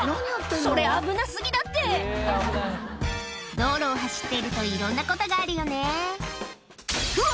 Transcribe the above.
それ危な過ぎだって道路を走っているといろんなことがあるよねうわ！